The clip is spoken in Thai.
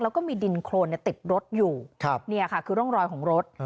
แล้วก็มีดินโครนติดรถอยู่นี่ค่ะคือร่องรอยของรถ